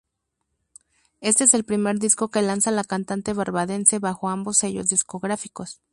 Este es el primer disco que lanza la cantante barbadense bajo ambos sellos discográficos.